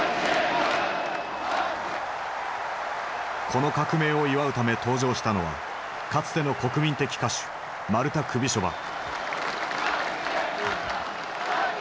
この革命を祝うため登場したのはかつての国民的歌手マルタ・クビショヴァ。